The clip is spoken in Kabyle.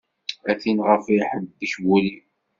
A tin ɣef iḥebbek wul-iw.